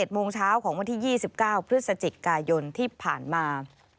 โมงเช้าของวันที่๒๙พฤศจิกายนที่ผ่านมา